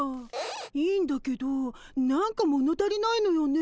いいんだけど何か物足りないのよね。